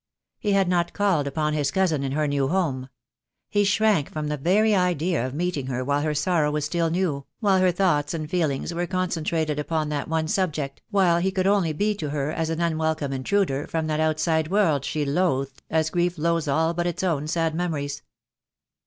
He had not called upon his cousin in her new home; he shrank from the very idea of meeting her while her sorrow was still new, while her thoughts and feelings were concentrated upon that one subject, while he could only be to her as an unwelcome intruder from that out side world she loathed, as grief loathes all but its own sad memories.